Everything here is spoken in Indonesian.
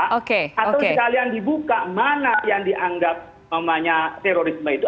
atau sekalian dibuka mana yang dianggap terorisme itu